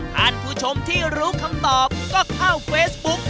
ท่านผู้ชมที่รู้คำตอบก็เข้าเฟซบุ๊ก